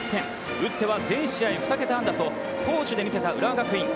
打っては全試合２桁安打と攻守で見せた浦和学院。